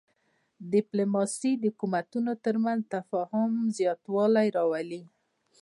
ډیپلوماسي د حکومتونو ترمنځ د تفاهم زیاتوالی راولي.